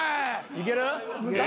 いける？